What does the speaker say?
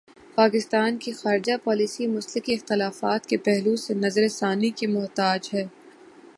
پاکستان کی خارجہ پالیسی مسلکی اختلاف کے پہلو سے نظر ثانی کی محتاج ہے۔